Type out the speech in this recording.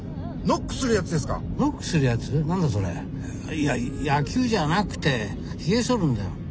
いや野球じゃなくてひげそるんだよ。